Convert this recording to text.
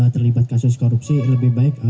terlibat kasus korupsi lebih baik